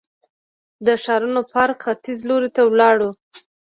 د ښارنو پارک ختیځ لوري ته ولاړو.